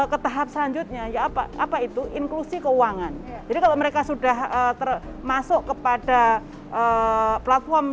ke tahap selanjutnya ya apa apa itu inklusi keuangan jadi kalau mereka sudah termasuk kepada platform